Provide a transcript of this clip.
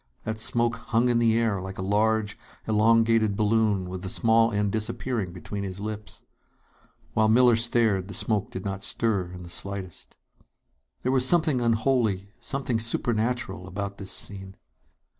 That smoke hung in the air like a large, elongated balloon with the small end disappearing between his lips. While Miller stared, the smoke did not stir in the slightest. There was something unholy, something supernatural, about this scene!